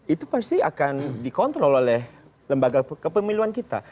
itu pasti akan dikontrol oleh lembaga kepemiluan kita